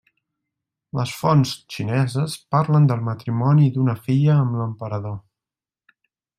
Les fonts xineses parlen del matrimoni d'una filla amb l'emperador.